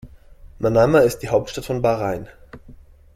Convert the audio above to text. Manama ist die Hauptstadt von Bahrain.